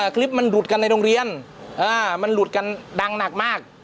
คลิปมันหลุดกันในโรงเรียนมันหลุดกันดังหนักมาก